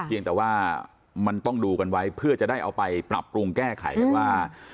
เพียงแต่ว่ามันต้องดูกันไว้เพื่อจะได้เอาไปปรับปรุงแก้ไขกันว่า